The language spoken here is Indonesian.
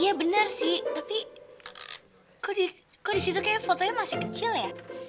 iya bener sih tapi kok di kok di situ kayaknya fotonya masih kecil ya